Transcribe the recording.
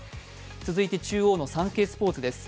続いて中央の「サンケイスポーツ」です。